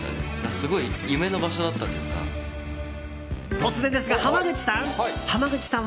突然ですが、濱口さん。